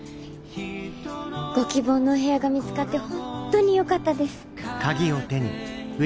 ご希望のお部屋が見つかって本当によかったです。